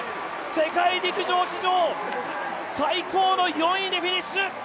世界陸上史上最高の４位でフィニッシュ！